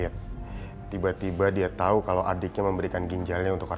nah kamu adalah suami aku